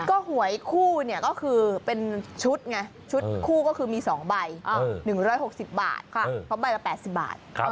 ก็หวยคู่เนี่ยก็คือเป็นชุดไงชุดคู่ก็คือมี๒ใบ๑๖๐บาทเพราะใบละ๘๐บาท